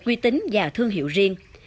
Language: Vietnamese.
từng bước tạo được quy tính và thương hiệu riêng